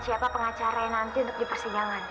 siapa pengacaranya nanti untuk dipersidangan